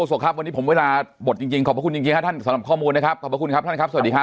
สุดท้ายเลย